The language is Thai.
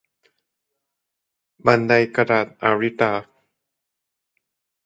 บันไดกระดาษ - อาริตา